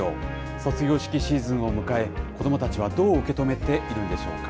卒業式シーズンを迎え、子どもたちはどう受け止めているんでしょうか。